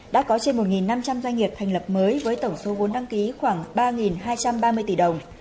đã có trên một năm trăm linh doanh nghiệp thành lập mới với tổng số vốn đăng ký khoảng ba hai trăm ba mươi tỷ đồng